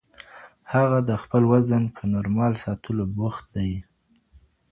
هغه د خپل وزن په نورمال ساتلو بوخت دی.